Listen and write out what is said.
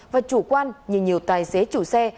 và chủ quan như nhiều tài xế chủ xe